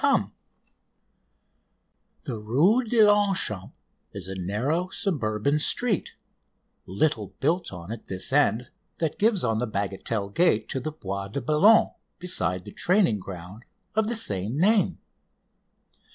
The Rue de Longchamps is a narrow suburban street, little built on at this end, that gives on the Bagatelle Gate to the Bois de Boulogne, beside the training ground of the same name.